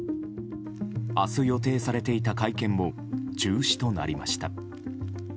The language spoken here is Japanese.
明日予定されていた会見も中止となりました。